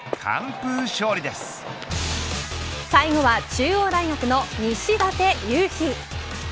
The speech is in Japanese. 最後は中央大学の西舘勇陽。